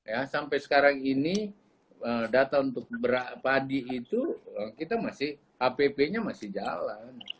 ya sampai sekarang ini data untuk padi itu kita masih app nya masih jalan